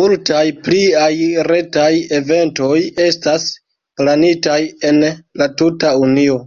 Multaj pliaj retaj eventoj estas planitaj en la tuta Unio.